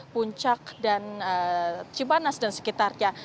puncak dan cipanas dan sekitarnya